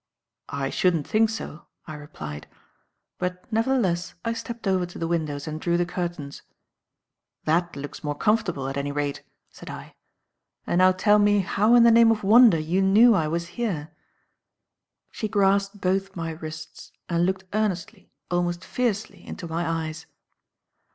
"I shouldn't think so," I replied; but, nevertheless, I stepped over to the windows and drew the curtains. "That looks more comfortable, at any rate," said I. "And now tell me how in the name of wonder you knew I was here." She grasped both my wrists and looked earnestly almost fiercely into my eyes.